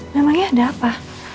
memangnya ada apa